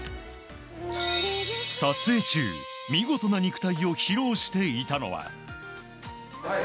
撮影中、見事な肉体を披露していたのは。